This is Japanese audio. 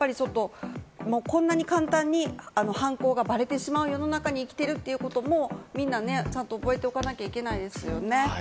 こんなに簡単に犯行がバレてしまう世の中に生きているということも、みんなね、ちゃんと覚えておかなきゃいけないですよね。